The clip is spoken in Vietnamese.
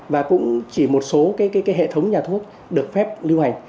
và cũng chỉ một số hệ thống nhà thuốc được phép lưu hành